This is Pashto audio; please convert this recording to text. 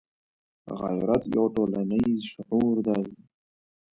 غیرت یو ټولنیز شعور دی